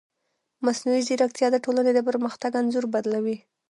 مصنوعي ځیرکتیا د ټولنې د پرمختګ انځور بدلوي.